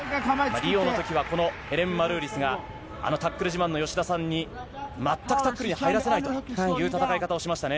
リオのときはこのヘレン・マルーリスが、あのタックル自慢の吉田さんに、全くタックルに入らせないという戦いをしましたよね。